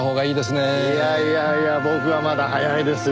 いやいやいや僕はまだ早いですよ。